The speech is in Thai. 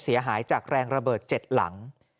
เสียหายจากแรงระเบิด๗หลัง